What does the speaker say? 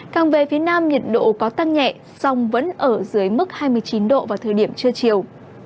càng về phía nam nhiệt độ có tăng nhẹ song vẫn ở dưới mức hai mươi chín độ vào thời điểm trưa chiều